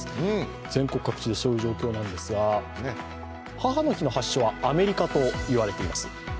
全国各地で、そういう状況なんですが母の日の発祥はアメリカと言われています。